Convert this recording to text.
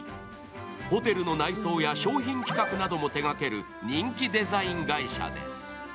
ホテルの内装や商品企画なども手掛ける人気デザイン会社です。